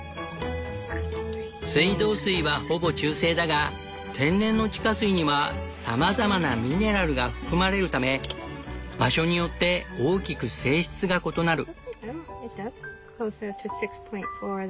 水道水はほぼ中性だが天然の地下水にはさまざまなミネラルが含まれるため場所によって大きく性質が異なる。